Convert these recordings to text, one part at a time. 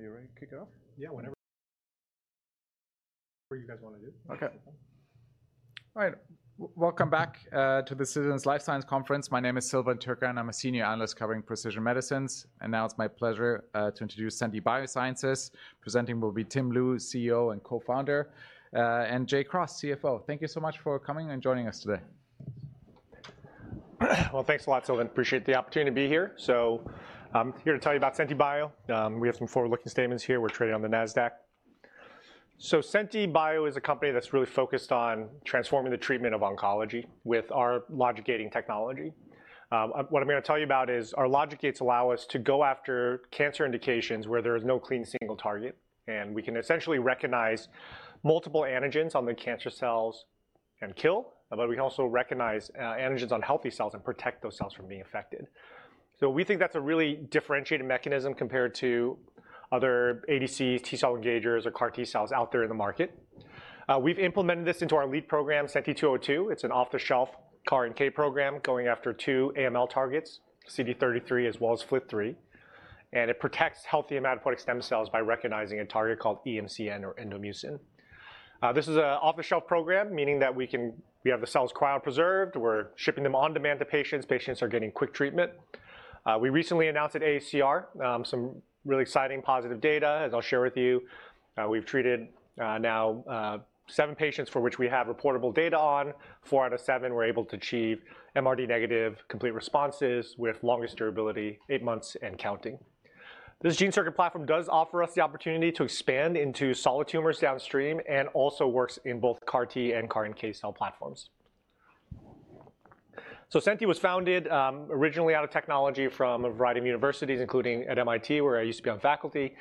Are you ready to kick it off? Yeah, whenever. Whatever you guys want to do. Okay. All right. Welcome back to the Citizens Life Science Conference. My name` is Silvan Türckan, and I'm a senior analyst covering precision medicines. Now it's my pleasure to introduce Senti Biosciences. Presenting will be Tim Lu, CEO and co-founder, and Jay Cross, CFO. Thank you so much for coming and joining us today. Thanks a lot, Silvan. Appreciate the opportunity to be here. I'm here to tell you about Senti Bio. We have some forward-looking statements here. We're trading on the NASDAQ. Senti Bio is a company that's really focused on transforming the treatment of oncology with our logic gating technology. What I'm going to tell you about is our logic gates allow us to go after cancer indications where there is no clean single target. We can essentially recognize multiple antigens on the cancer cells and kill. We can also recognize antigens on healthy cells and protect those cells from being affected. We think that's a really differentiated mechanism compared to other ADCs, T-cell engagers, or CAR T-cells out there in the market. We've implemented this into our lead program, SENTI-202. It's an off-the-shelf CAR-NK program going after two AML targets, CD33 as well as FLT3. It protects healthy hematopoietic stem cells by recognizing a target called EMCN or endomucin. This is an off-the-shelf program, meaning that we have the cells cryopreserved. We're shipping them on demand to patients. Patients are getting quick treatment. We recently announced at AACR some really exciting positive data, as I'll share with you. We've treated now seven patients for which we have reportable data on. Four out of seven were able to achieve MRD negative complete responses with longest durability, eight months and counting. This gene circuit platform does offer us the opportunity to expand into solid tumors downstream and also works in both CAR-T and CAR-NK cell platforms. Senti was founded originally out of technology from a variety of universities, including at MIT, where I used to be on faculty.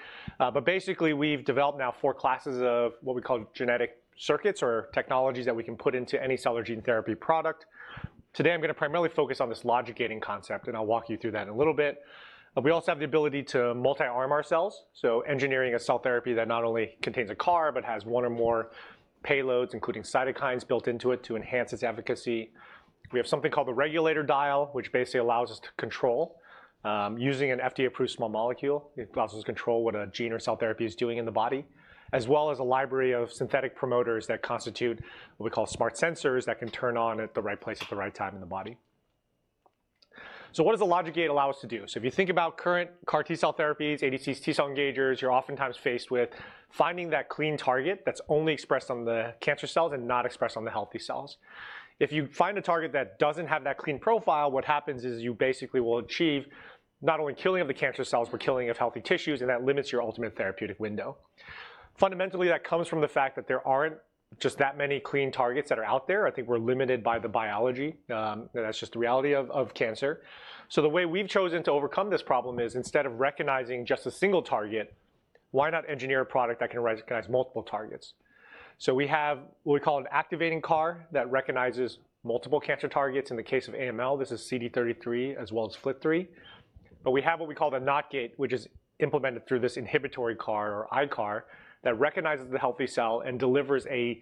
Basically, we've developed now four classes of what we call genetic circuits or technologies that we can put into any cellular gene therapy product. Today, I'm going to primarily focus on this logic gating concept, and I'll walk you through that in a little bit. We also have the ability to multi-arm ourselves, so engineering a cell therapy that not only contains a CAR, but has one or more payloads, including cytokines built into it to enhance its efficacy. We have something called the regulator dial, which basically allows us to control using an FDA-approved small molecule. It allows us to control what a gene or cell therapy is doing in the body, as well as a library of synthetic promoters that constitute what we call smart sensors that can turn on at the right place at the right time in the body. What does a logic gate allow us to do? If you think about current CAR-T cell therapies, ADCs, T-cell engagers, you're oftentimes faced with finding that clean target that's only expressed on the cancer cells and not expressed on the healthy cells. If you find a target that doesn't have that clean profile, what happens is you basically will achieve not only killing of the cancer cells, but killing of healthy tissues, and that limits your ultimate therapeutic window. Fundamentally, that comes from the fact that there aren't just that many clean targets that are out there. I think we're limited by the biology. That's just the reality of cancer. The way we've chosen to overcome this problem is instead of recognizing just a single target, why not engineer a product that can recognize multiple targets? We have what we call an activating CAR that recognizes multiple cancer targets. In the case of AML, this is CD33 as well as FLT3. We have what we call the NOT gate, which is implemented through this inhibitory CAR or iCAR that recognizes the healthy cell and delivers a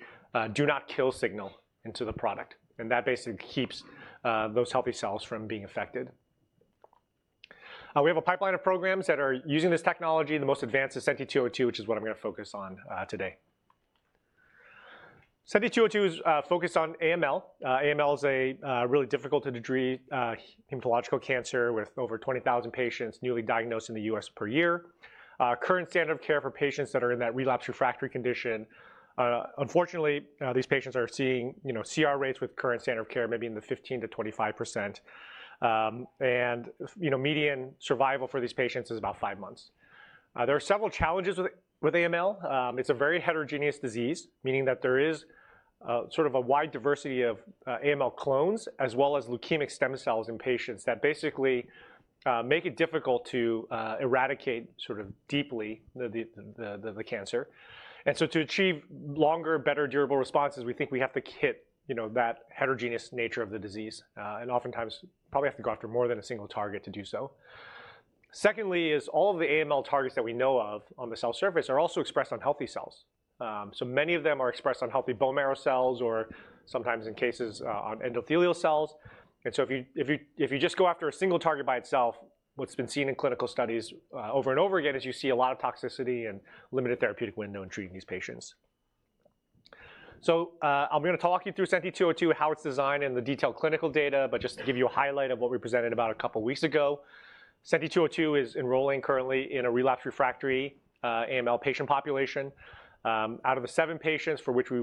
do-not-kill signal into the product. That basically keeps those healthy cells from being affected. We have a pipeline of programs that are using this technology. The most advanced is SENTI-202, which is what I'm going to focus on today. SENTI-202 is focused on AML. AML is a really difficult-to-treat hematological cancer with over 20,000 patients newly diagnosed in the U.S. per year. Current standard of care for patients that are in that relapsed refractory condition, unfortunately, these patients are seeing CR rates with current standard of care maybe in the 15%-25% range. Median survival for these patients is about five months. There are several challenges with AML. It's a very heterogeneous disease, meaning that there is sort of a wide diversity of AML clones as well as leukemic stem cells in patients that basically make it difficult to eradicate sort of deeply the cancer. To achieve longer, better durable responses, we think we have to hit that heterogeneous nature of the disease. Oftentimes, probably have to go after more than a single target to do so. Secondly, all of the AML targets that we know of on the cell surface are also expressed on healthy cells. Many of them are expressed on healthy bone marrow cells or sometimes in cases on endothelial cells. If you just go after a single target by itself, what's been seen in clinical studies over and over again is you see a lot of toxicity and limited therapeutic window in treating these patients. I'm going to talk you through SENTI-202, how it's designed, and the detailed clinical data. Just to give you a highlight of what we presented about a couple of weeks ago, SENTI-202 is enrolling currently in a relapse refractory AML patient population. Out of the seven patients for which we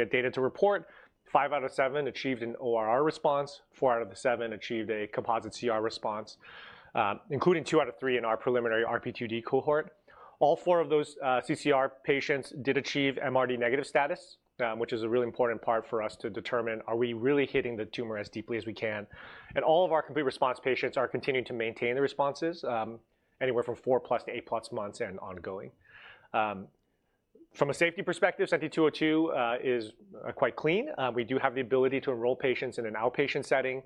had data to report, five out of seven achieved an ORR response, four out of the seven achieved a composite CR response, including two out of three in our preliminary RP2D cohort. All four of those CCR patients did achieve MRD negative status, which is a really important part for us to determine, are we really hitting the tumor as deeply as we can? All of our complete response patients are continuing to maintain their responses anywhere from four plus to eight plus months and ongoing. From a safety perspective, SENTI-202 is quite clean. We do have the ability to enroll patients in an outpatient setting.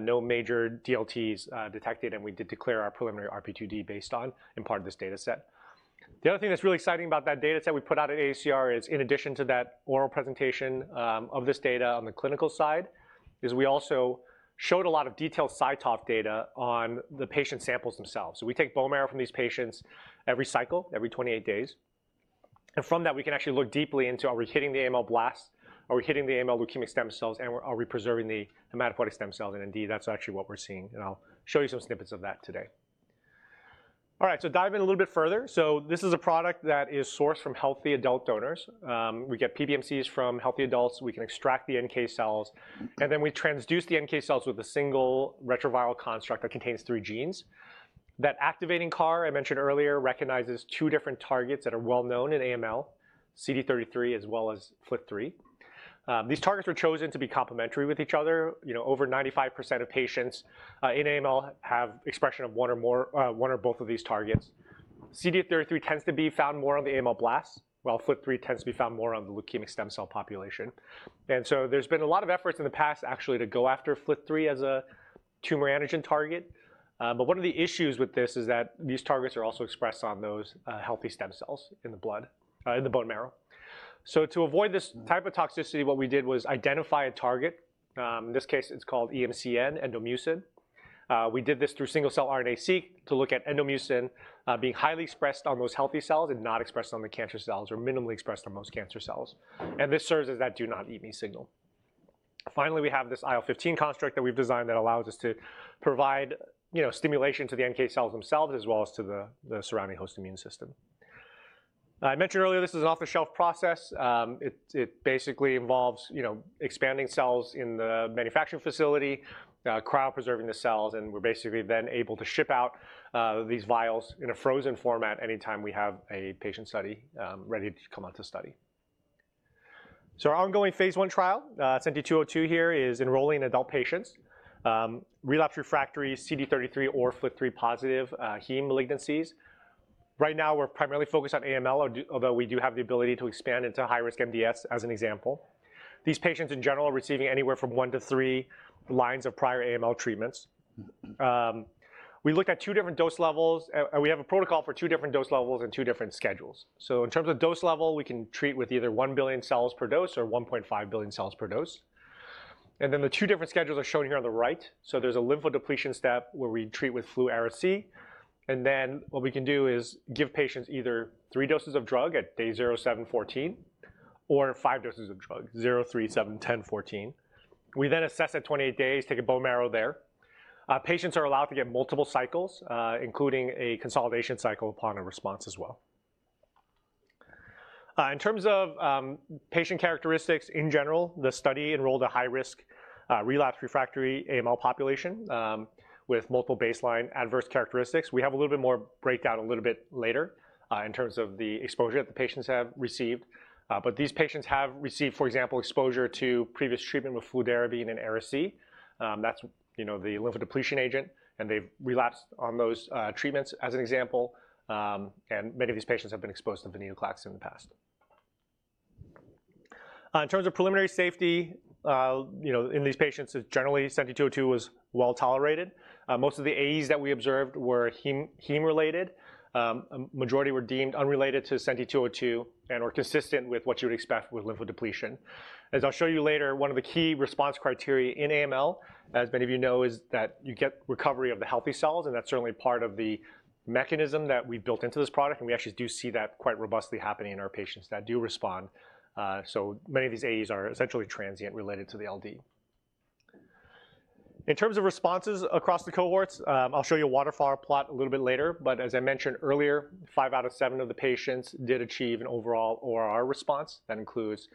No major DLTs detected, and we did declare our preliminary RP2D based on and part of this data set. The other thing that's really exciting about that data set we put out at AACR is, in addition to that oral presentation of this data on the clinical side, we also showed a lot of detailed cytoph data on the patient samples themselves. We take bone marrow from these patients every cycle, every 28 days. From that, we can actually look deeply into are we hitting the AML blast, are we hitting the AML leukemic stem cells, and are we preserving the hematopoietic stem cells? Indeed, that's actually what we're seeing. I'll show you some snippets of that today. All right, dive in a little bit further. This is a product that is sourced from healthy adult donors. We get PBMCs from healthy adults. We can extract the NK cells. Then we transduce the NK cells with a single retroviral construct that contains three genes. That activating CAR I mentioned earlier recognizes two different targets that are well known in AML, CD33 as well as FLT3. These targets are chosen to be complementary with each other. Over 95% of patients in AML have expression of one or both of these targets. CD33 tends to be found more on the AML blast, while FLT3 tends to be found more on the leukemic stem cell population. There has been a lot of efforts in the past actually to go after FLT3 as a tumor antigen target. One of the issues with this is that these targets are also expressed on those healthy stem cells in the blood, in the bone marrow. To avoid this type of toxicity, what we did was identify a target. In this case, it is called EMCN, endomucin. We did this through single-cell RNA-seq to look at endomucin being highly expressed on those healthy cells and not expressed on the cancer cells or minimally expressed on most cancer cells. This serves as that do-not-eat-me signal. Finally, we have this IL-15 construct that we've designed that allows us to provide stimulation to the NK cells themselves as well as to the surrounding host immune system. I mentioned earlier this is an off-the-shelf process. It basically involves expanding cells in the manufacturing facility, cryopreserving the cells, and we're basically then able to ship out these vials in a frozen format anytime we have a patient study ready to come out to study. Our ongoing phase one trial, SENTI-202 here, is enrolling adult patients, relapse refractory, CD33 or FLT3 positive, heme malignancies. Right now, we're primarily focused on AML, although we do have the ability to expand into high-risk MDS as an example. These patients in general are receiving anywhere from one to three lines of prior AML treatments. We looked at two different dose levels. We have a protocol for two different dose levels and two different schedules. In terms of dose level, we can treat with either 1 billion cells per dose or 1.5 billion cells per dose. The two different schedules are shown here on the right. There is a lymphodepletion step where we treat with fludarabine. What we can do is give patients either three doses of drug at day 0, 7, 14 or five doses of drug, 0, 3, 7, 10, 14. We then assess at 28 days, take a bone marrow there. Patients are allowed to get multiple cycles, including a consolidation cycle upon a response as well. In terms of patient characteristics in general, the study enrolled a high-risk relapsed refractory AML population with multiple baseline adverse characteristics. We have a little bit more breakdown a little bit later in terms of the exposure that the patients have received. These patients have received, for example, exposure to previous treatment with fludarabine and Ara-C. That's the lymphodepletion agent. They've relapsed on those treatments as an example. Many of these patients have been exposed to venetoclax in the past. In terms of preliminary safety in these patients, generally, SENTI-202 was well tolerated. Most of the AEs that we observed were heme-related. A majority were deemed unrelated to SENTI-202 and were consistent with what you would expect with lymphodepletion. As I'll show you later, one of the key response criteria in AML, as many of you know, is that you get recovery of the healthy cells. That's certainly part of the mechanism that we've built into this product. We actually do see that quite robustly happening in our patients that do respond. Many of these AEs are essentially transient related to the LD. In terms of responses across the cohorts, I'll show you a waterfall plot a little bit later. As I mentioned earlier, five out of seven of the patients did achieve an overall ORR response. That includes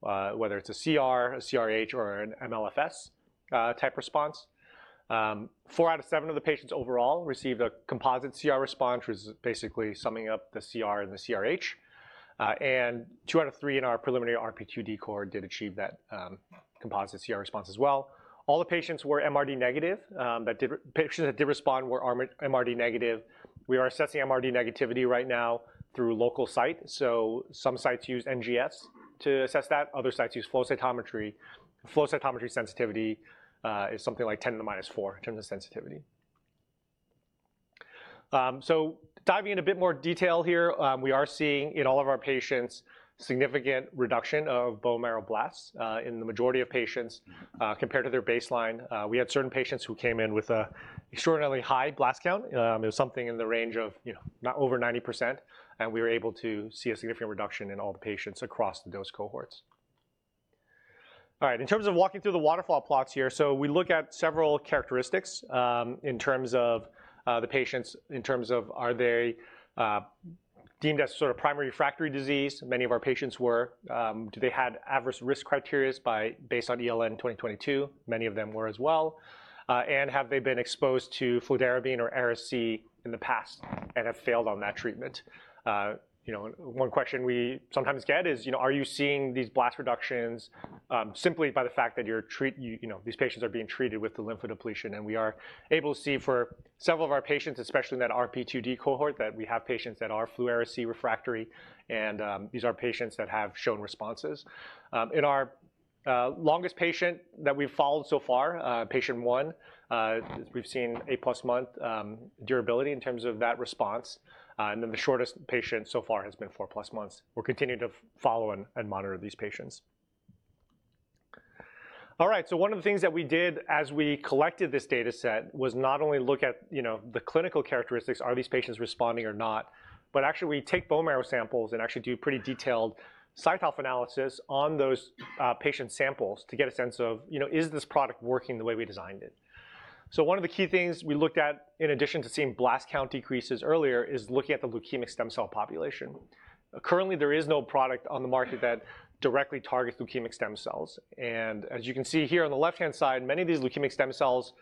whether it's a CR, a CRh, or an MLFS type response. Four out of seven of the patients overall received a composite CR response, which is basically summing up the CR and the CRh. Two out of three in our preliminary RP2D core did achieve that composite CR response as well. All the patients were MRD negative. The patients that did respond were MRD negative. We are assessing MRD negativity right now through local site. Some sites use NGS to assess that. Other sites use flow cytometry. Flow cytometry sensitivity is something like 10^-4 in terms of sensitivity. Diving in a bit more detail here, we are seeing in all of our patients significant reduction of bone marrow blasts in the majority of patients compared to their baseline. We had certain patients who came in with an extraordinarily high blast count. It was something in the range of not over 90%. We were able to see a significant reduction in all the patients across the dose cohorts. All right, in terms of walking through the waterfall plots here, we look at several characteristics in terms of the patients, in terms of are they deemed as sort of primary refractory disease. Many of our patients were. Do they have adverse risk criteria based on ELN 2022? Many of them were as well. Have they been exposed to fludarabine or Ara-C in the past and have failed on that treatment? One question we sometimes get is, are you seeing these blast reductions simply by the fact that these patients are being treated with the lymphodepletion? We are able to see for several of our patients, especially in that RP2D cohort, that we have patients that are fludarabine refractory. These are patients that have shown responses. In our longest patient that we've followed so far, patient one, we've seen eight plus month durability in terms of that response. The shortest patient so far has been four plus months. We're continuing to follow and monitor these patients. All right, so one of the things that we did as we collected this data set was not only look at the clinical characteristics, are these patients responding or not, but actually we take bone marrow samples and actually do pretty detailed cytoph analysis on those patient samples to get a sense of, is this product working the way we designed it? One of the key things we looked at in addition to seeing blast count decreases earlier is looking at the leukemic stem cell population. Currently, there is no product on the market that directly targets leukemic stem cells. As you can see here on the left-hand side, many of these leukemic stem cells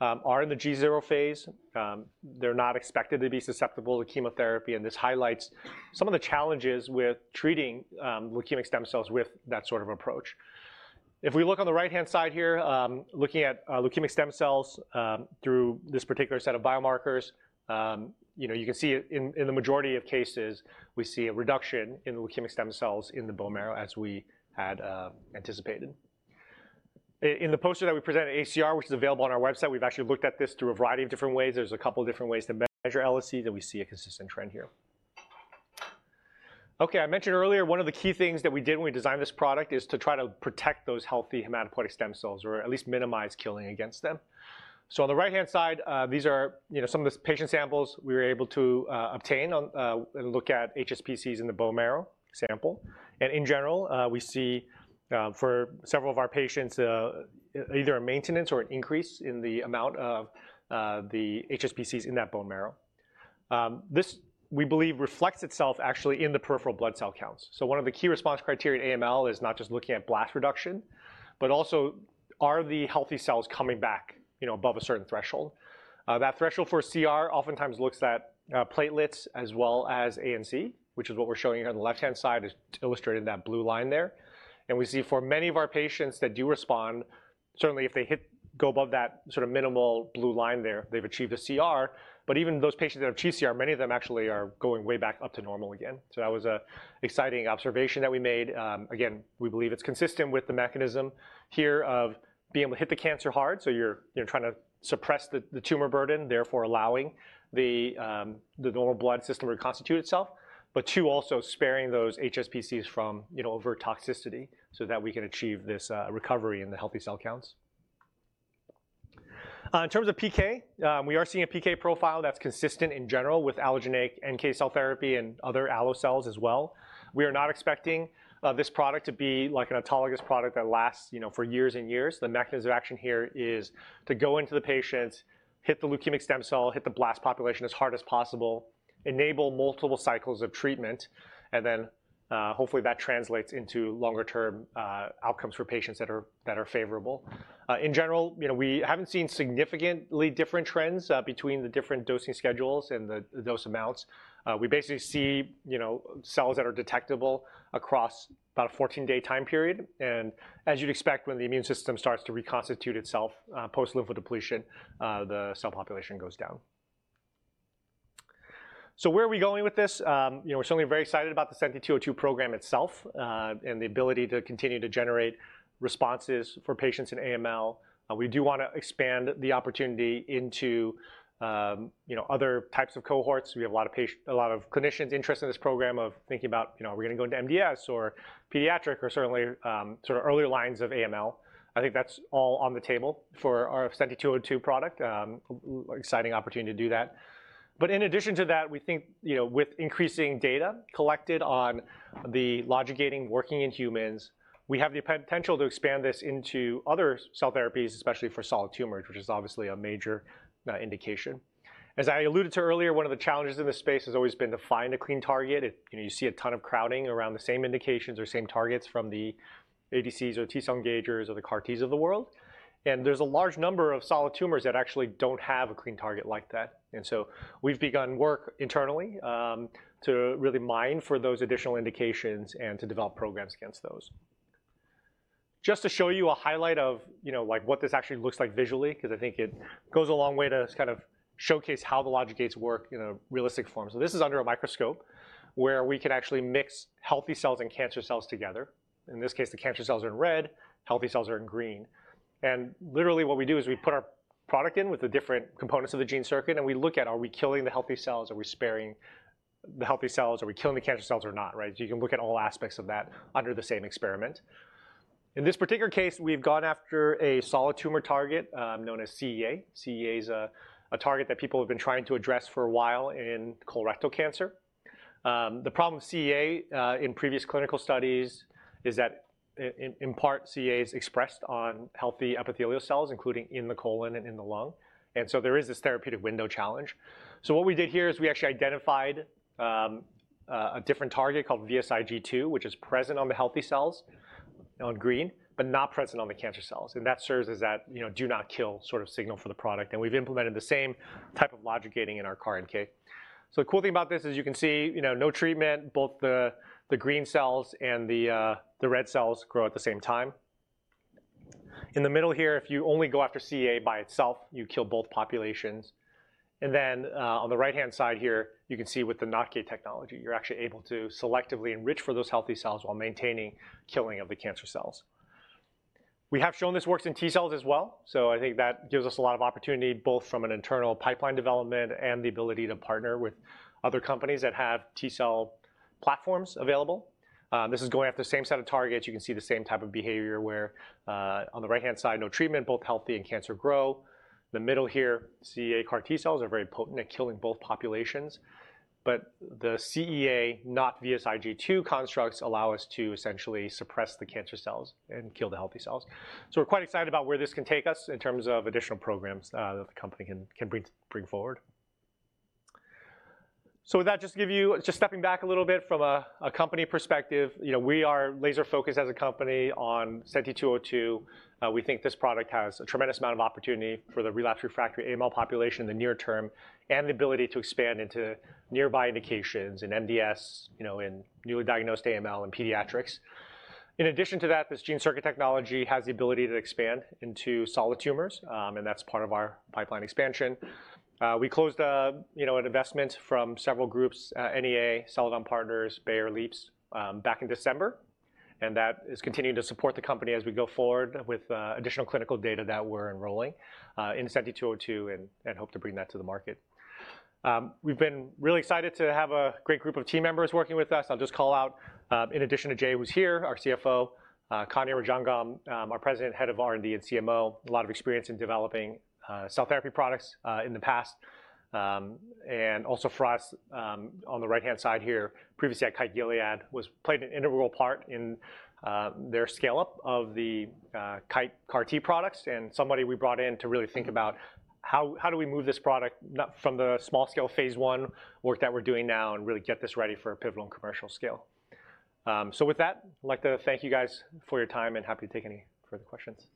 are in the G0 phase. They're not expected to be susceptible to chemotherapy. This highlights some of the challenges with treating leukemic stem cells with that sort of approach. If we look on the right-hand side here, looking at leukemic stem cells through this particular set of biomarkers, you can see in the majority of cases, we see a reduction in the leukemic stem cells in the bone marrow as we had anticipated. In the poster that we presented at AACR, which is available on our website, we've actually looked at this through a variety of different ways. There's a couple of different ways to measure LSC, and we see a consistent trend here. OK, I mentioned earlier one of the key things that we did when we designed this product is to try to protect those healthy hematopoietic stem cells or at least minimize killing against them. On the right-hand side, these are some of the patient samples we were able to obtain and look at HSPCs in the bone marrow sample. In general, we see for several of our patients either a maintenance or an increase in the amount of the HSPCs in that bone marrow. This, we believe, reflects itself actually in the peripheral blood cell counts. One of the key response criteria in AML is not just looking at blast reduction, but also are the healthy cells coming back above a certain threshold? That threshold for CR oftentimes looks at platelets as well as ANC, which is what we are showing here on the left-hand side, illustrated in that blue line there. We see for many of our patients that do respond, certainly if they go above that sort of minimal blue line there, they have achieved a CR. Even those patients that have achieved CR, many of them actually are going way back up to normal again. That was an exciting observation that we made. Again, we believe it's consistent with the mechanism here of being able to hit the cancer hard. You're trying to suppress the tumor burden, therefore allowing the normal blood system to reconstitute itself, but two, also sparing those HSPCs from over toxicity so that we can achieve this recovery in the healthy cell counts. In terms of PK, we are seeing a PK profile that's consistent in general with allogeneic NK cell therapy and other allocells as well. We are not expecting this product to be like an autologous product that lasts for years and years. The mechanism of action here is to go into the patients, hit the leukemic stem cell, hit the blast population as hard as possible, enable multiple cycles of treatment, and then hopefully that translates into longer-term outcomes for patients that are favorable. In general, we haven't seen significantly different trends between the different dosing schedules and the dose amounts. We basically see cells that are detectable across about a 14-day time period. As you'd expect, when the immune system starts to reconstitute itself post-lymphodepletion, the cell population goes down. Where are we going with this? We're certainly very excited about the SENTI-202 program itself and the ability to continue to generate responses for patients in AML. We do want to expand the opportunity into other types of cohorts. We have a lot of clinicians interested in this program, thinking about, are we going to go into MDS or pediatric or certainly sort of earlier lines of AML? I think that's all on the table for our SENTI-202 product. Exciting opportunity to do that. In addition to that, we think with increasing data collected on the logic gating working in humans, we have the potential to expand this into other cell therapies, especially for solid tumors, which is obviously a major indication. As I alluded to earlier, one of the challenges in this space has always been to find a clean target. You see a ton of crowding around the same indications or same targets from the ADCs or T-cell engagers or the CAR-Ts of the world. There is a large number of solid tumors that actually do not have a clean target like that. We have begun work internally to really mine for those additional indications and to develop programs against those. Just to show you a highlight of what this actually looks like visually, because I think it goes a long way to kind of showcase how the logic gates work in a realistic form. This is under a microscope where we can actually mix healthy cells and cancer cells together. In this case, the cancer cells are in red, healthy cells are in green. Literally what we do is we put our product in with the different components of the gene circuit. We look at, are we killing the healthy cells? Are we sparing the healthy cells? Are we killing the cancer cells or not? You can look at all aspects of that under the same experiment. In this particular case, we've gone after a solid tumor target known as CEA. CEA is a target that people have been trying to address for a while in colorectal cancer. The problem with CEA in previous clinical studies is that, in part, CEA is expressed on healthy epithelial cells, including in the colon and in the lung. There is this therapeutic window challenge. What we did here is we actually identified a different target called VSIG2, which is present on the healthy cells on green, but not present on the cancer cells. That serves as that do-not-kill sort of signal for the product. We've implemented the same type of logic gating in our CAR-NK. The cool thing about this is you can see no treatment. Both the green cells and the red cells grow at the same time. In the middle here, if you only go after CEA by itself, you kill both populations. On the right-hand side here, you can see with the NOCKI technology, you're actually able to selectively enrich for those healthy cells while maintaining killing of the cancer cells. We have shown this works in T-cells as well. I think that gives us a lot of opportunity, both from an internal pipeline development and the ability to partner with other companies that have T-cell platforms available. This is going after the same set of targets. You can see the same type of behavior where on the right-hand side, no treatment, both healthy and cancer grow. The middle here, CEA CAR-T cells are very potent at killing both populations. The CEA not VSIG2 constructs allow us to essentially suppress the cancer cells and kill the healthy cells. We're quite excited about where this can take us in terms of additional programs that the company can bring forward. With that, just stepping back a little bit from a company perspective, we are laser-focused as a company on SENTI-202. We think this product has a tremendous amount of opportunity for the relapsed refractory AML population in the near term and the ability to expand into nearby indications in MDS, in newly diagnosed AML, and pediatrics. In addition to that, this gene circuit technology has the ability to expand into solid tumors. That's part of our pipeline expansion. We closed an investment from several groups, NEA, Celadon Partners, Bayer Leaps, back in December. That is continuing to support the company as we go forward with additional clinical data that we're enrolling in SENTI-202 and hope to bring that to the market. We've been really excited to have a great group of team members working with us. I'll just call out, in addition to Jay, who's here, our CFO, Kanya Rajangam, our President, Head of R&D and CMO, a lot of experience in developing cell therapy products in the past. Also for us on the right-hand side here, previously at Kite, Gilead, played an integral part in their scale-up of the Kite CAR-T products and somebody we brought in to really think about how do we move this product from the small-scale phase one work that we're doing now and really get this ready for a pivotal commercial scale. With that, I'd like to thank you guys for your time and happy to take any further questions.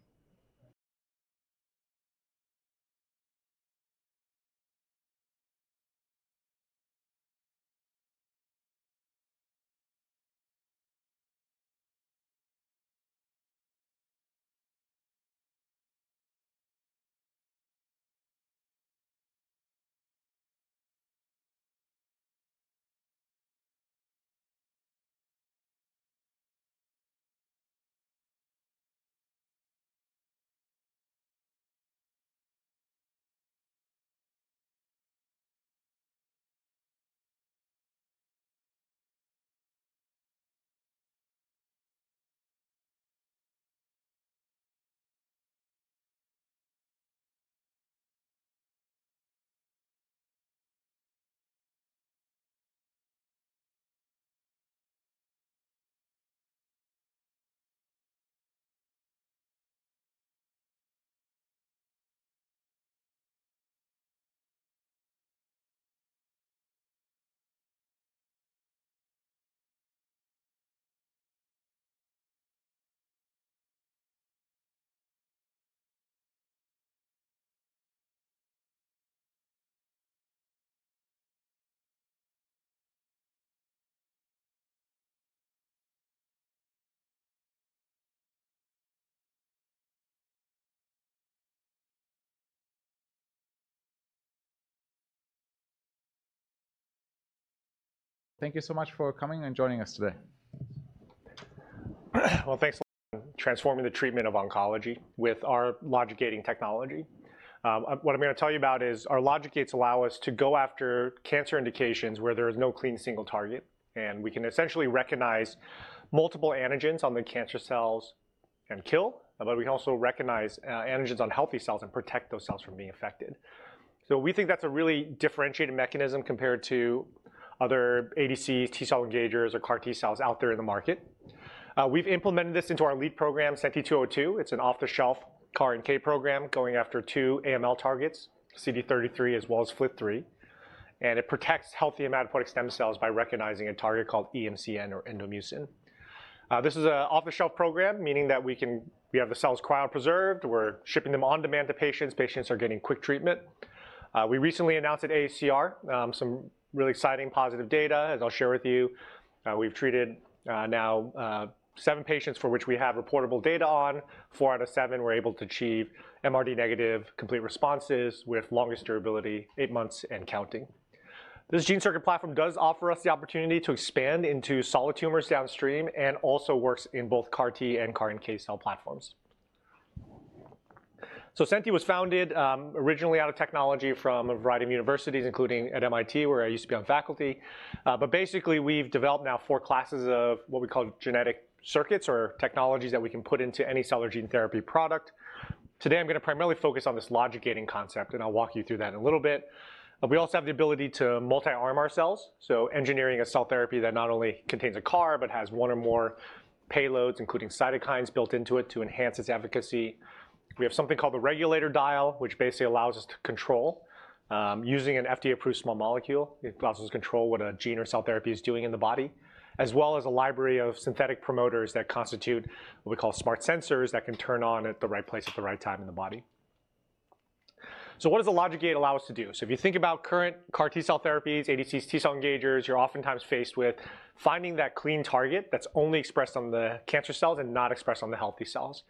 Thank you so much for coming and joining us today. Transforming the treatment of oncology with our logic gating technology. What I'm going to tell you about is our logic gates allow us to go after cancer indications where there is no clean single target. We can essentially recognize multiple antigens on the cancer cells and kill. We can also recognize antigens on healthy cells and protect those cells from being affected. We think that's a really differentiated mechanism compared to other ADCs, T-cell engagers, or CAR-T cells out there in the market. We've implemented this into our lead program, SENTI-202. It's an off-the-shelf CAR-NK program going after two AML targets, CD33 as well as FLT3. It protects healthy hematopoietic stem cells by recognizing a target called EMCN or endomucin. This is an off-the-shelf program, meaning that we have the cells cryopreserved. We're shipping them on demand to patients. Patients are getting quick treatment. We recently announced at AACR some really exciting positive data, as I'll share with you. We've treated now seven patients for which we have reportable data on. Four out of seven were able to achieve MRD negative complete responses with longest durability, eight months and counting. This gene circuit platform does offer us the opportunity to expand into solid tumors downstream and also works in both CAR-T and CAR-NK cell platforms. Senti was founded originally out of technology from a variety of universities, including at MIT, where I used to be on faculty. Basically, we've developed now four classes of what we call genetic circuits or technologies that we can put into any cellular gene therapy product. Today, I'm going to primarily focus on this logic gating concept. I'll walk you through that in a little bit. We also have the ability to multi-arm ourselves, so engineering a cell therapy that not only contains a CAR, but has one or more payloads, including cytokines built into it to enhance its efficacy. We have something called the regulator dial, which basically allows us to control using an FDA-approved small molecule. It allows us to control what a gene or cell therapy is doing in the body, as well as a library of synthetic promoters that constitute what we call smart sensors that can turn on at the right place at the right time in the body. What does the logic gate allow us to do? If you think about current CAR-T cell therapies, ADCs, T-cell engagers, you're oftentimes faced with finding that clean target that's only expressed on the cancer cells and not expressed on the healthy cells.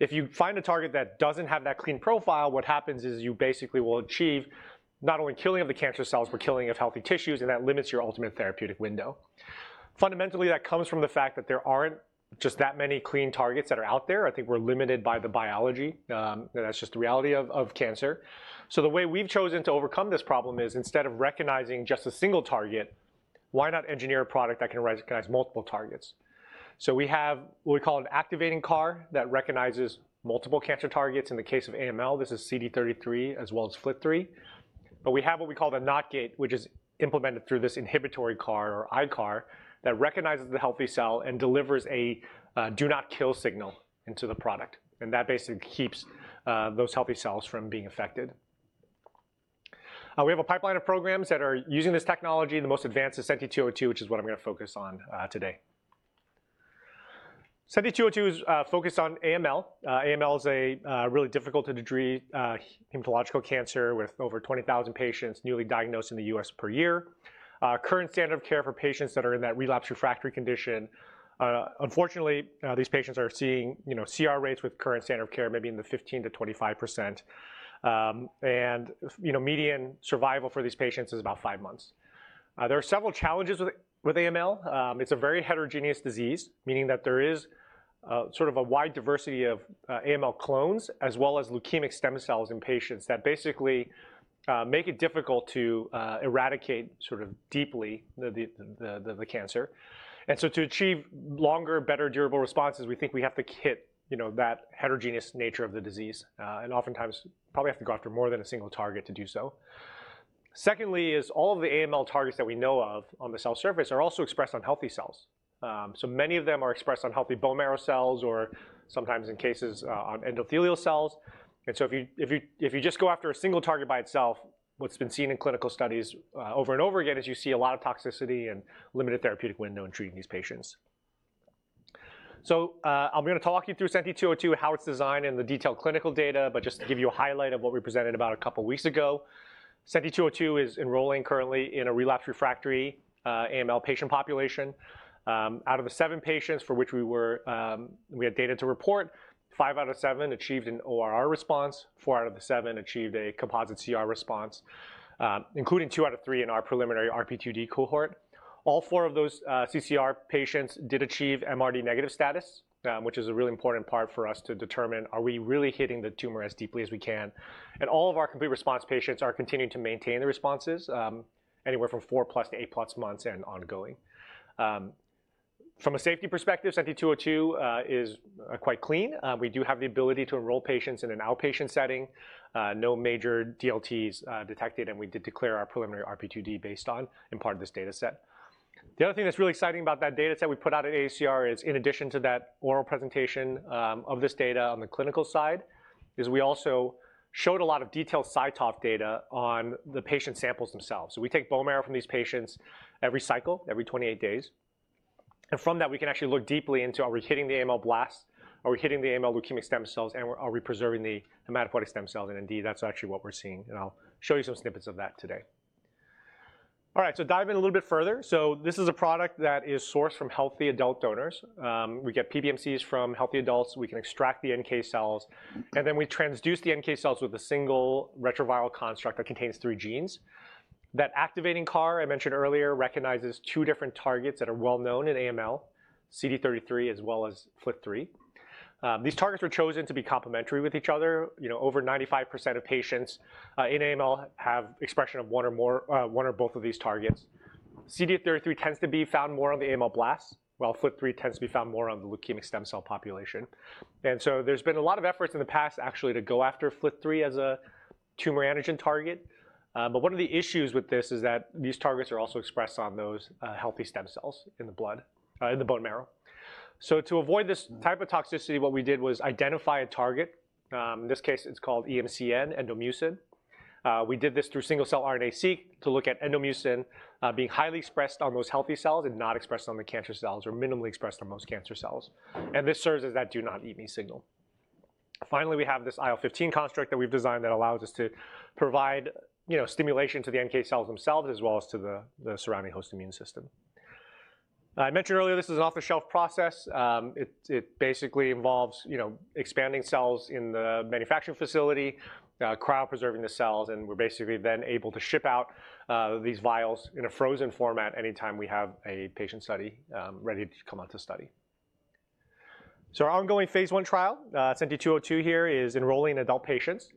If you find a target that doesn't have that clean profile, what happens is you basically will achieve not only killing of the cancer cells, but killing of healthy tissues. That limits your ultimate therapeutic window. Fundamentally, that comes from the fact that there aren't just that many clean targets that are out there. I think we're limited by the biology. That's just the reality of cancer. The way we've chosen to overcome this problem is instead of recognizing just a single target, why not engineer a product that can recognize multiple targets? We have what we call an activating CAR that recognizes multiple cancer targets. In the case of AML, this is CD33 as well as FLT3. We have what we call the NOT gate, which is implemented through this inhibitory CAR or iCAR that recognizes the healthy cell and delivers a do-not-kill signal into the product. That basically keeps those healthy cells from being affected. We have a pipeline of programs that are using this technology, the most advanced, SENTI-202, which is what I'm going to focus on today. SENTI-202 is focused on AML. AML is a really difficult-to-treat hematological cancer with over 20,000 patients newly diagnosed in the US per year. Current standard of care for patients that are in that relapsed refractory condition, unfortunately, these patients are seeing CR rates with current standard of care maybe in the 15%-25% range. Median survival for these patients is about five months. There are several challenges with AML. It's a very heterogeneous disease, meaning that there is sort of a wide diversity of AML clones as well as leukemic stem cells in patients that basically make it difficult to eradicate sort of deeply the cancer. To achieve longer, better durable responses, we think we have to hit that heterogeneous nature of the disease. Oftentimes, probably have to go after more than a single target to do so. Secondly, all of the AML targets that we know of on the cell surface are also expressed on healthy cells. Many of them are expressed on healthy bone marrow cells or sometimes in cases on endothelial cells. If you just go after a single target by itself, what's been seen in clinical studies over and over again is you see a lot of toxicity and limited therapeutic window in treating these patients. I'm going to talk you through SENTI-202, how it's designed, and the detailed clinical data. Just to give you a highlight of what we presented about a couple of weeks ago, SENTI-202 is enrolling currently in a relapsed refractory AML patient population. Out of the seven patients for which we had data to report, five out of seven achieved an ORR response. Four out of the seven achieved a composite CR response, including two out of three in our preliminary RP2D cohort. All four of those CCR patients did achieve MRD negative status, which is a really important part for us to determine are we really hitting the tumor as deeply as we can. All of our complete response patients are continuing to maintain their responses anywhere from four plus to eight plus months and ongoing. From a safety perspective, SENTI-202 is quite clean. We do have the ability to enroll patients in an outpatient setting. No major DLTs detected. We did declare our preliminary RP2D based on and part of this data set. The other thing that is really exciting about that data set we put out at AACR is in addition to that oral presentation of this data on the clinical side, we also showed a lot of detailed cytoph data on the patient samples themselves. We take bone marrow from these patients every cycle, every 28 days. From that, we can actually look deeply into are we hitting the AML blast? Are we hitting the AML leukemic stem cells? Are we preserving the hematopoietic stem cells? Indeed, that is actually what we are seeing. I will show you some snippets of that today. All right, dive in a little bit further. This is a product that is sourced from healthy adult donors. We get PBMCs from healthy adults. We can extract the NK cells. Then we transduce the NK cells with a single retroviral construct that contains three genes. That activating CAR I mentioned earlier recognizes two different targets that are well known in AML, CD33 as well as FLT3. These targets were chosen to be complementary with each other. Over 95% of patients in AML have expression of one or both of these targets. CD33 tends to be found more on the AML blast, while FLT3 tends to be found more on the leukemic stem cell population. There has been a lot of efforts in the past actually to go after FLT3 as a tumor antigen target. One of the issues with this is that these targets are also expressed on those healthy stem cells in the blood, in the bone marrow. To avoid this type of toxicity, what we did was identify a target. In this case, it's called EMCN, endomucin. We did this through single-cell RNA-seq to look at endomucin being highly expressed on those healthy cells and not expressed on the cancer cells or minimally expressed on most cancer cells. This serves as that do-not-eat-me signal. Finally, we have this IL-15 construct that we've designed that allows us to provide stimulation to the NK cells themselves as well as to the surrounding host immune system. I mentioned earlier this is an off-the-shelf process. It basically involves expanding cells in the manufacturing facility, cryopreserving the cells. We're basically then able to ship out these vials in a frozen format anytime we have a patient study ready to come out to study. Our ongoing phase one trial, SENTI-202 here, is enrolling adult patients,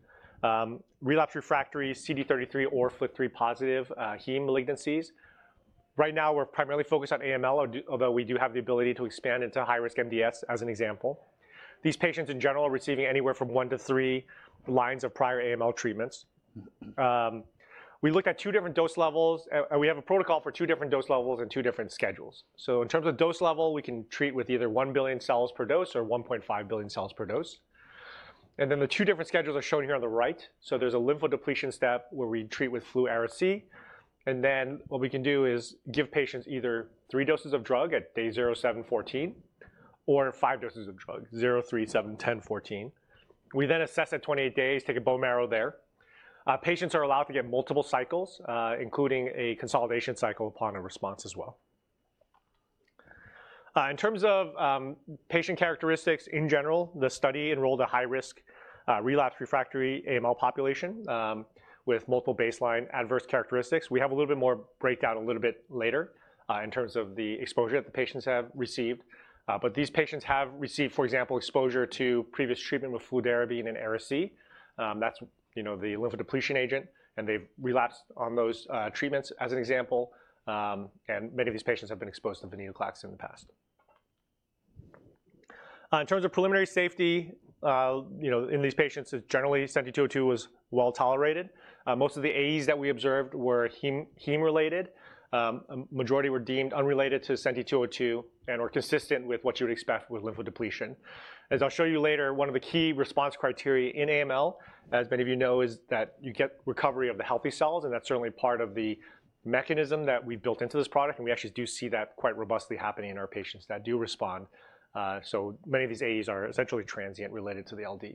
relapsed refractory CD33 or FLT3 positive heme malignancies. Right now, we're primarily focused on AML, although we do have the ability to expand into high-risk MDS as an example. These patients in general are receiving anywhere from one to three lines of prior AML treatments. We looked at two different dose levels. We have a protocol for two different dose levels and two different schedules. In terms of dose level, we can treat with either 1 billion cells per dose or 1.5 billion cells per dose. The two different schedules are shown here on the right. There's a lymphodepletion step where we treat with fludarabine and Ara-C. What we can do is give patients either three doses of drug at day 0, 7, 14 or five doses of drug, 0, 3, 7, 10, 14. We then assess at 28 days, take a bone marrow there. Patients are allowed to get multiple cycles, including a consolidation cycle upon a response as well. In terms of patient characteristics, in general, the study enrolled a high-risk relapsed refractory AML population with multiple baseline adverse characteristics. We have a little bit more breakdown a little bit later in terms of the exposure that the patients have received. These patients have received, for example, exposure to previous treatment with fludarabine and Ara-C. That is the lymphodepletion agent. They have relapsed on those treatments as an example. Many of these patients have been exposed to venetoclax in the past. In terms of preliminary safety in these patients, generally, SENTI-202 was well tolerated. Most of the AEs that we observed were heme-related. A majority were deemed unrelated to SENTI-202 and were consistent with what you would expect with lymphodepletion. As I'll show you later, one of the key response criteria in AML, as many of you know, is that you get recovery of the healthy cells. That is certainly part of the mechanism that we've built into this product. We actually do see that quite robustly happening in our patients that do respond. Many of these AEs are essentially transient related to the LD.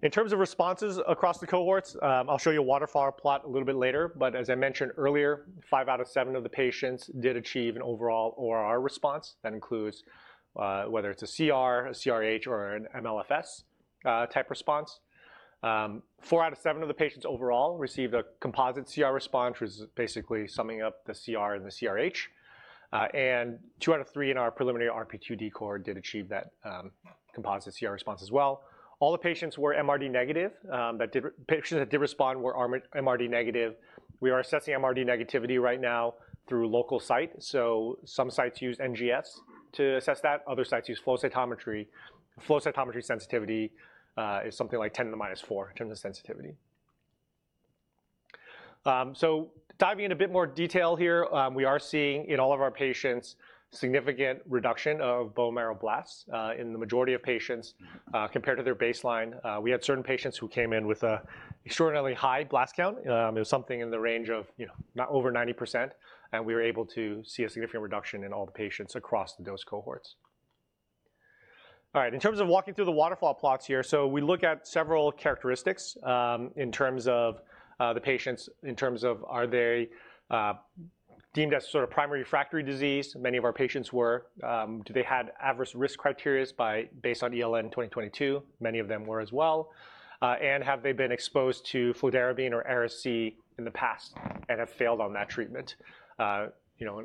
In terms of responses across the cohorts, I'll show you a waterfall plot a little bit later. As I mentioned earlier, five out of seven of the patients did achieve an overall ORR response. That includes whether it's a CR, a CRh, or an MLFS type response. Four out of seven of the patients overall received a composite CR response, which is basically summing up the CR and the CRh. Two out of three in our preliminary RP2D cohort did achieve that composite CR response as well. All the patients were MRD negative. The patients that did respond were MRD negative. We are assessing MRD negativity right now through local site. Some sites use NGS to assess that. Other sites use flow cytometry. Flow cytometry sensitivity is something like 10^-4 in terms of sensitivity. Diving in a bit more detail here, we are seeing in all of our patients significant reduction of bone marrow blasts in the majority of patients compared to their baseline. We had certain patients who came in with an extraordinarily high blast count. It was something in the range of not over 90%. We were able to see a significant reduction in all the patients across the dose cohorts. In terms of walking through the waterfall plots here, we look at several characteristics in terms of the patients, in terms of are they deemed as sort of primary refractory disease. Many of our patients were. Do they have adverse risk criteria based on ELN 2022? Many of them were as well. And have they been exposed to fludarabine or Ara-C in the past and have failed on that treatment?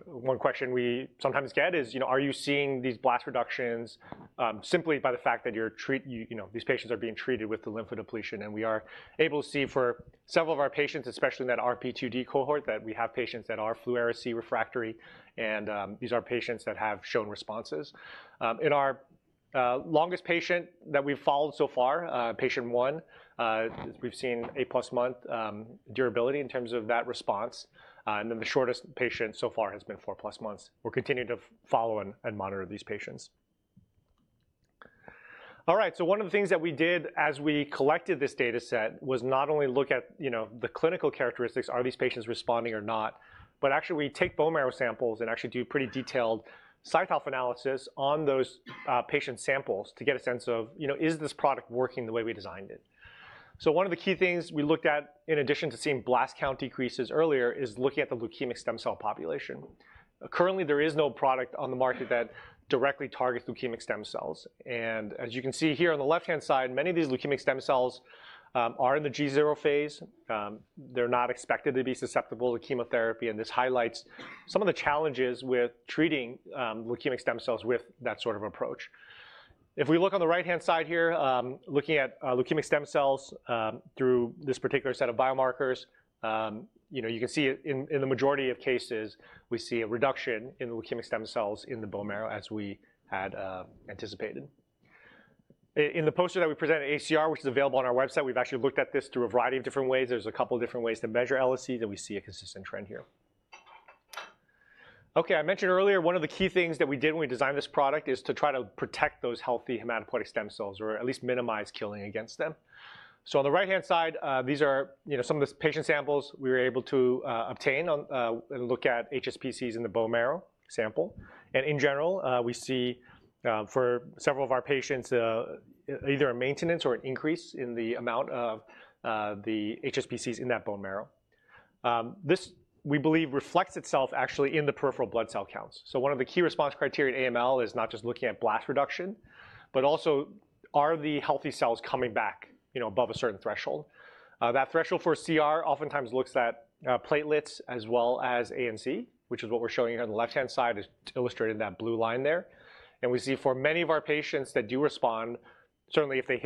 One question we sometimes get is, are you seeing these blast reductions simply by the fact that these patients are being treated with the lymphodepletion? We are able to see for several of our patients, especially in that RP2D cohort, that we have patients that are fludarabine Ara-C refractory. These are patients that have shown responses. In our longest patient that we've followed so far, patient one, we've seen eight-plus month durability in terms of that response. The shortest patient so far has been four-plus months. We're continuing to follow and monitor these patients. One of the things that we did as we collected this data set was not only look at the clinical characteristics, are these patients responding or not, but actually we take bone marrow samples and actually do pretty detailed cytoph analysis on those patient samples to get a sense of, is this product working the way we designed it? One of the key things we looked at in addition to seeing blast count decreases earlier is looking at the leukemic stem cell population. Currently, there is no product on the market that directly targets leukemic stem cells. As you can see here on the left-hand side, many of these leukemic stem cells are in the G0 phase. They're not expected to be susceptible to chemotherapy. This highlights some of the challenges with treating leukemic stem cells with that sort of approach. If we look on the right-hand side here, looking at leukemic stem cells through this particular set of biomarkers, you can see in the majority of cases, we see a reduction in the leukemic stem cells in the bone marrow as we had anticipated. In the poster that we present at AACR, which is available on our website, we've actually looked at this through a variety of different ways. There are a couple of different ways to measure LSCs. We see a consistent trend here. OK, I mentioned earlier one of the key things that we did when we designed this product is to try to protect those healthy hematopoietic stem cells or at least minimize killing against them. On the right-hand side, these are some of the patient samples we were able to obtain and look at HSPCs in the bone marrow sample. In general, we see for several of our patients either a maintenance or an increase in the amount of the HSPCs in that bone marrow. This, we believe, reflects itself actually in the peripheral blood cell counts. One of the key response criteria in AML is not just looking at blast reduction, but also are the healthy cells coming back above a certain threshold? That threshold for CR oftentimes looks at platelets as well as ANC, which is what we're showing here on the left-hand side is illustrated in that blue line there. We see for many of our patients that do respond, certainly if they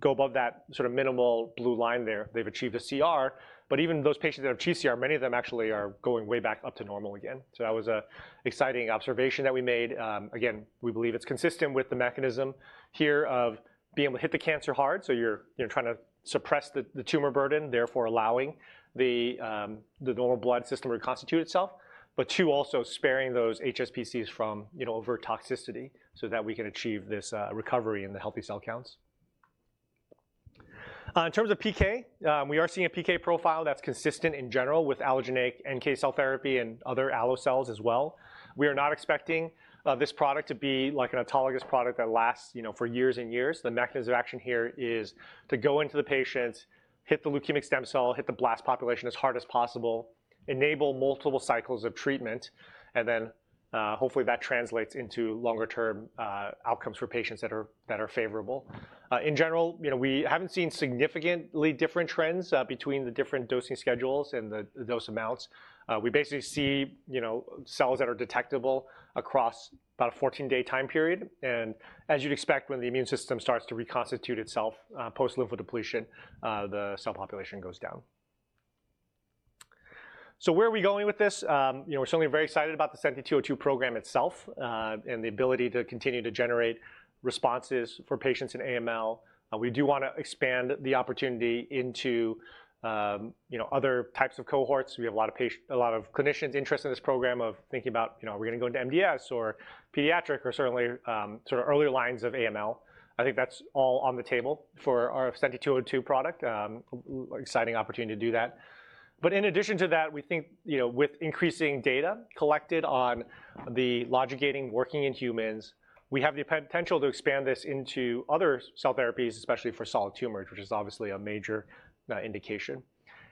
go above that sort of minimal blue line there, they've achieved a CR. Even those patients that achieve CR, many of them actually are going way back up to normal again. That was an exciting observation that we made. Again, we believe it's consistent with the mechanism here of being able to hit the cancer hard. You're trying to suppress the tumor burden, therefore allowing the normal blood system to reconstitute itself, but two, also sparing those HSPCs from overt toxicity so that we can achieve this recovery in the healthy cell counts. In terms of PK, we are seeing a PK profile that's consistent in general with allogeneic NK cell therapy and other allocells as well. We are not expecting this product to be like an autologous product that lasts for years and years. The mechanism of action here is to go into the patient, hit the leukemic stem cell, hit the blast population as hard as possible, enable multiple cycles of treatment. Hopefully that translates into longer-term outcomes for patients that are favorable. In general, we haven't seen significantly different trends between the different dosing schedules and the dose amounts. We basically see cells that are detectable across about a 14-day time period. As you'd expect, when the immune system starts to reconstitute itself post-lymphodepletion, the cell population goes down. Where are we going with this? We're certainly very excited about the SENTI-202 program itself and the ability to continue to generate responses for patients in AML. We do want to expand the opportunity into other types of cohorts. We have a lot of clinicians interested in this program of thinking about, are we going to go into MDS or pediatric or certainly sort of earlier lines of AML? I think that's all on the table for our SENTI-202 product. Exciting opportunity to do that. In addition to that, we think with increasing data collected on the logic gating working in humans, we have the potential to expand this into other cell therapies, especially for solid tumors, which is obviously a major indication.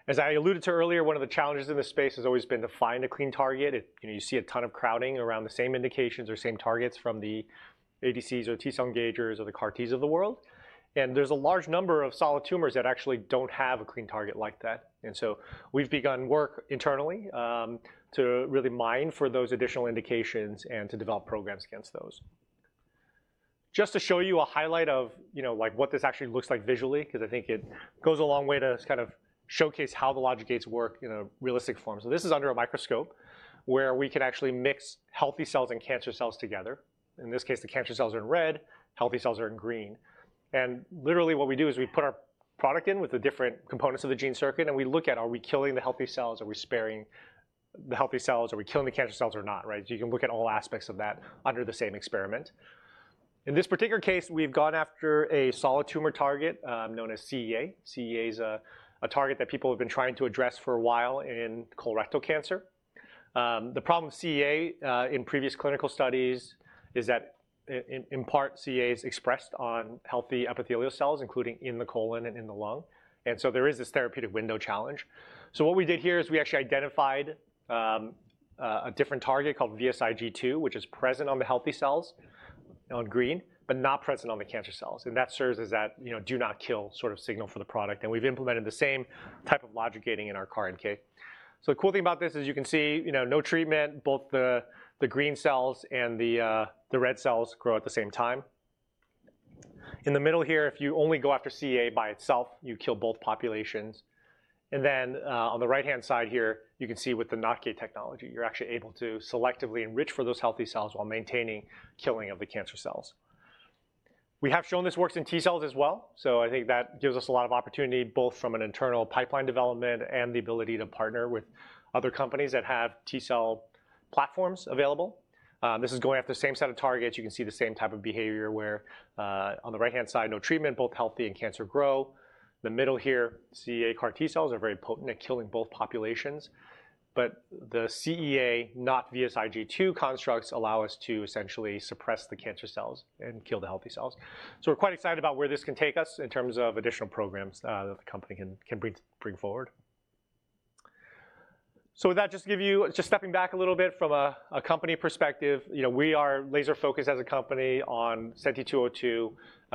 As I alluded to earlier, one of the challenges in this space has always been to find a clean target. You see a ton of crowding around the same indications or same targets from the ADCs or T-cell engagers or the CAR-T's of the world. There's a large number of solid tumors that actually don't have a clean target like that. We've begun work internally to really mine for those additional indications and to develop programs against those. Just to show you a highlight of what this actually looks like visually, because I think it goes a long way to kind of showcase how the logic gates work in a realistic form. This is under a microscope where we can actually mix healthy cells and cancer cells together. In this case, the cancer cells are in red, healthy cells are in green. Literally what we do is we put our product in with the different components of the gene circuit. We look at, are we killing the healthy cells? Are we sparing the healthy cells? Are we killing the cancer cells or not? You can look at all aspects of that under the same experiment. In this particular case, we've gone after a solid tumor target known as CEA. CEA is a target that people have been trying to address for a while in colorectal cancer. The problem with CEA in previous clinical studies is that, in part, CEA is expressed on healthy epithelial cells, including in the colon and in the lung. There is this therapeutic window challenge. What we did here is we actually identified a different target called VSIG2, which is present on the healthy cells on green, but not present on the cancer cells. That serves as that do-not-kill sort of signal for the product. We have implemented the same type of logic gating in our CAR-NK. The cool thing about this is you can see no treatment, both the green cells and the red cells grow at the same time. In the middle here, if you only go after CEA by itself, you kill both populations. On the right-hand side here, you can see with the NOT gate technology, you are actually able to selectively enrich for those healthy cells while maintaining killing of the cancer cells. We have shown this works in T-cells as well. I think that gives us a lot of opportunity, both from an internal pipeline development and the ability to partner with other companies that have T-cell platforms available. This is going after the same set of targets. You can see the same type of behavior where on the right-hand side, no treatment, both healthy and cancer grow. The middle here, CEA CAR-T cells are very potent at killing both populations. The CEA not VSIG2 constructs allow us to essentially suppress the cancer cells and kill the healthy cells. We are quite excited about where this can take us in terms of additional programs that the company can bring forward. With that, just to give you just stepping back a little bit from a company perspective, we are laser-focused as a company on SENTI-202.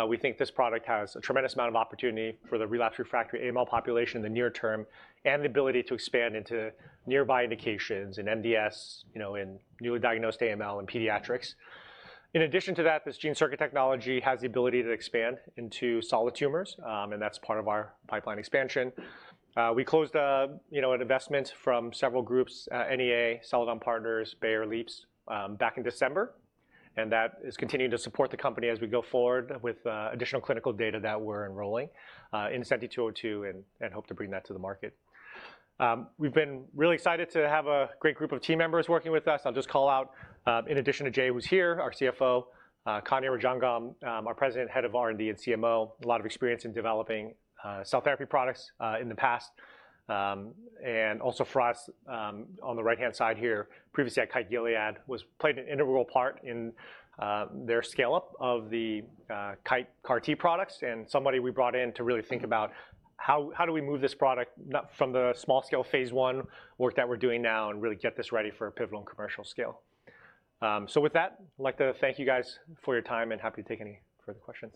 We think this product has a tremendous amount of opportunity for the relapse refractory AML population in the near term and the ability to expand into nearby indications in MDS, in newly diagnosed AML, and pediatrics. In addition to that, this gene circuit technology has the ability to expand into solid tumors. That is part of our pipeline expansion. We closed an investment from several groups, NEA, Celadon Partners, Bayer Leaps back in December. That is continuing to support the company as we go forward with additional clinical data that we're enrolling in SENTI-202 and hope to bring that to the market. We've been really excited to have a great group of team members working with us. I'll just call out, in addition to Jay, who's here, our CFO, Kanya Rajangam, our President, Head of R&D and CMO, a lot of experience in developing cell therapy products in the past. Also for us on the right-hand side here, previously at Kite, Gilead, played an integral part in their scale-up of the Kite CAR-T products. Somebody we brought in to really think about how do we move this product from the small-scale phase one work that we're doing now and really get this ready for pivotal and commercial scale. With that, I'd like to thank you guys for your time and happy to take any further questions.